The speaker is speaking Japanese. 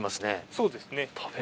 そうですね。